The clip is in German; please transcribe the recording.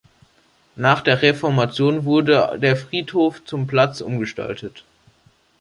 Nach der Reformation wurde der Friedhof zum Platz umgestaltet.